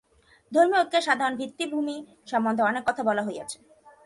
ধর্মীয় ঐক্যের সাধারণ ভিত্তিভূমি সম্বন্ধে অনেক কথা বলা হইয়াছে।